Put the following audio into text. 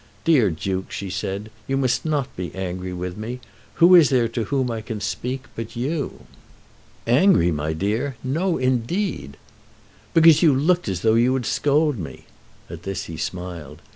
"Dear Duke," she said, "you must not be angry with me. Who is there to whom I can speak but you?" "Angry, my dear! No, indeed!" "Because you looked as though you would scold me." At this he smiled.